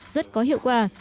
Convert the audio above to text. rất có hiệu quả